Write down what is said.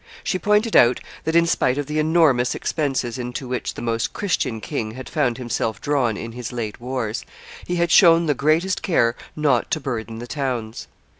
She pointed out that, in spite of the enormous expenses into which the Most Christian king had found himself drawn in his late wars, he had shown the greatest care not to burden the towns.